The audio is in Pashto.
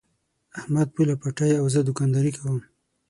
احمد پوله پټی او زه دوکانداري کوم.